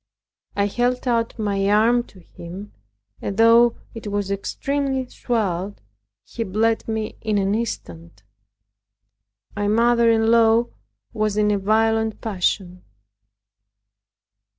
I held out my arm to him; and though it was extremely swelled, he bled me in an instant. My mother in law was in a violent passion.